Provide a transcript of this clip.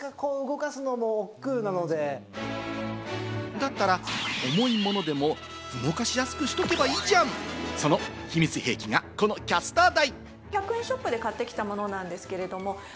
だったら重いものでも動かしやすくしとけばいいじゃん、その秘密兵器がこのキャスター台。